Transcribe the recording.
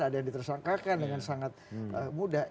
ada yang ditersangkakan dengan sangat mudah